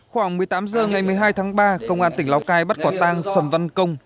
khoảng một mươi tám h ngày một mươi hai tháng ba công an tỉnh lào cai bắt quả tan sầm văn công